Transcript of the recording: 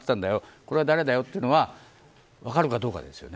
これは誰だよというのが分かるかどうかですね。